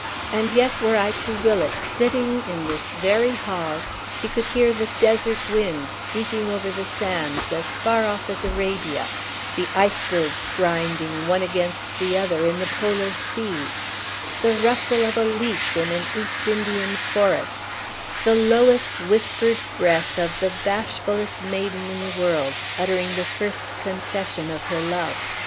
And yet, were I to will it, sitting in this very hall, she could hear the desert wind sweeping over the sands as far off as Arabia; the icebergs grinding one against the other in the polar seas; the rustle of a leaf in an East Indian forest; the lowest whispered breath of the bashfullest maiden in the world, uttering the first confession of her love.